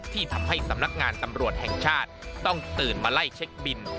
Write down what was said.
ที่ทำให้สำนักงานตำรวจแห่งชาติต้องตื่นมาไล่เช็คบิน